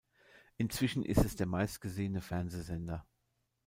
Inzwischen ist es der meistgesehene Fernsehsender.